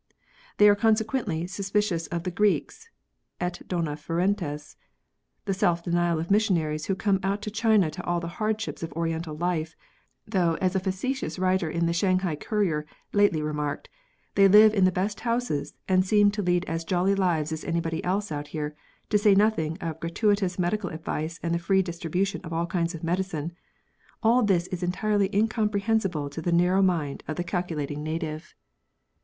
They are conse quently suspicious of the Greeks — et dona ferentes. The self denial of missionaries who come out to China to all the hardships of Oriental life — though, as a face tious writer in the Shanghai Coumer lately remarked, they live in the best houses, and seem to lead as jolly lives as anybody else out here — to say nothing of gra tuitous medical advice and the free distribution of all kinds of medicine — all this is entirely incomprehen sible to the narrow mind of the calculating native. 86 JURISPRUDENCE.